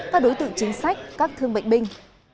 các đối tượng chính sách các thương bệnh binh